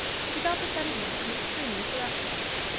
She felt the sentiment an extremely correct one.